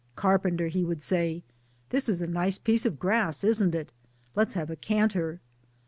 " Carpenter," he would say, " this is a nice piece of grass, isn't it? Let's have a canter."